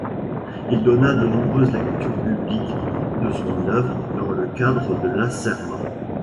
Il donna de nombreuses lectures publiques de son œuvre dans le cadre de l'Acerma.